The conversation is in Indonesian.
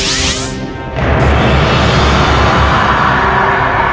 dan dia selamatkan wanita